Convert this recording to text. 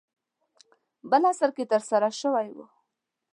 بل عصر کې ترسره شوی و.